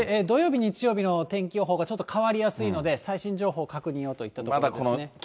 土曜日、日曜日の天気予報がちょっと変わりやすいので、最新情報確認をといったところですね。